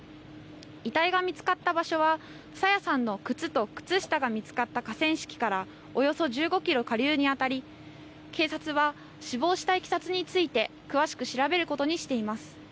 遺体が見つかった場所は朝芽さんの靴と靴下が見つかった河川敷からおよそ１５キロ下流にあたり警察は死亡したいきさつについて詳しく調べることにしています。